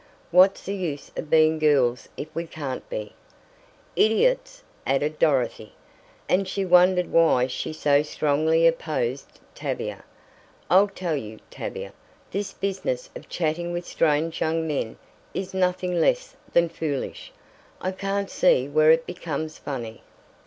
What's the use of being girls if we can't be " "Idiots!" added Dorothy, and she wondered why she so strongly opposed Tavia. "I'll tell you, Tavia, this business of chatting with strange young men is nothing less than foolish. I can't see where it becomes funny."